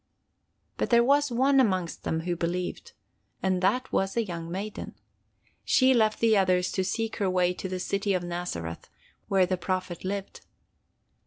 "But there was one amongst them who believed, and that was a young maiden. She left the others to seek her way to the city of Nazareth, where the Prophet lived.